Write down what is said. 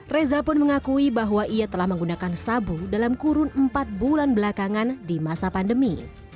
reza pun mengakui bahwa ia telah menggunakan sabu dalam kurun empat bulan belakangan di masa pandemi